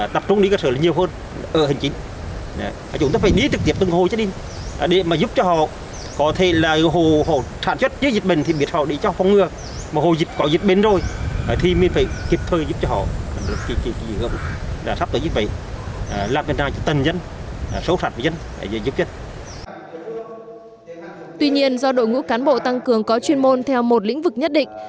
tuy nhiên do đội ngũ cán bộ tăng cường có chuyên môn theo một lĩnh vực nhất định